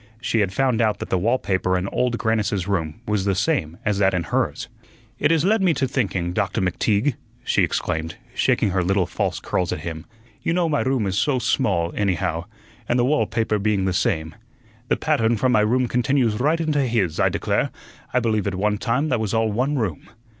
She had found out that the wall paper in Old Grannis's room was the same as that in hers. "It has led me to thinking, Doctor McTeague," she exclaimed, shaking her little false curls at him. "You know my room is so small, anyhow, and the wall paper being the same the pattern from my room continues right into his I declare, I believe at one time that was all one room.